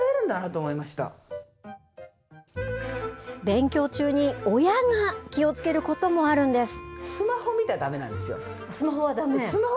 勉強中に、親が気をつけることもあるんです。